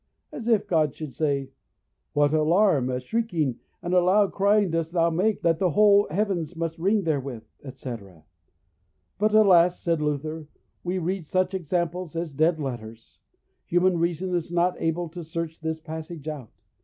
As if God should say, "What an alarum, a shrieking, and a loud crying dost thou make, that the whole heavens must ring therewith!" etc. But, alas! said Luther, we read such examples as dead letters; human reason is not able to search this passage out.